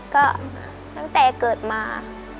ก็ตั้งแต่เกิดมา